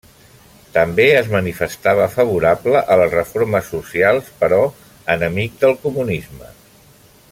També es manifestava favorable a les reformes socials però enemic del comunisme.